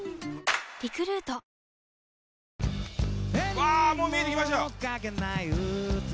うわもう見えてきましたよ！